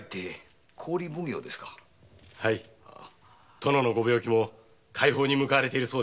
殿のご病気も快方に向かわれているそうです。